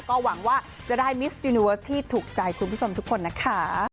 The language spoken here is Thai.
ก็หวังว่าจะได้มิสยูนิเวิร์สที่ถูกใจคุณผู้ชมทุกคนนะคะ